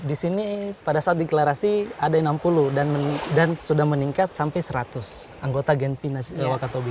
di sini pada saat deklarasi ada enam puluh dan sudah meningkat sampai seratus anggota genpi wakatobi